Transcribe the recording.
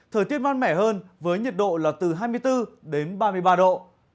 thời tiết mát mẻ hơn với nhiệt độ là từ hai mươi bốn đến ba mươi ba độ